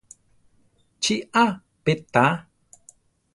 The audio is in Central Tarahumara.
Chi á pe tá.